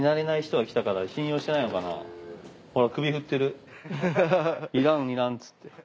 ほら首振ってるいらんいらんつって。